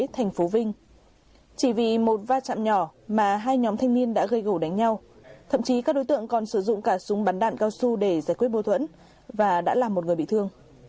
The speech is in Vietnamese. chỉ vì một va chạm nhỏ mà hai nhóm thanh niên đã gây gỗ đánh nhau thậm chí các đối tượng còn sử dụng cả súng bắn đạn cao su để giải quyết bâu thuẫn và đã làm một người bị thương